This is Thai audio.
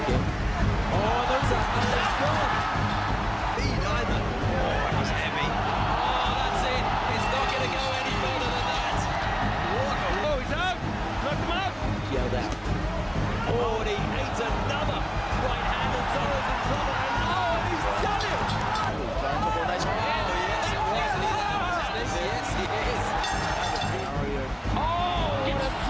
โอ้เป็นสิ่งที่จะสุดที่ได้ให้ความพร้อมแผ่นระเบิดร้ายแล้ว